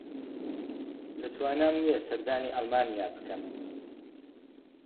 لە توانام نییە سەردانی ئەڵمانیا بکەم.